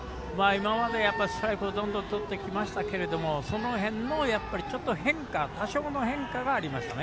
ストライクをどんどんとってきましたけどその辺の多少の変化がありました。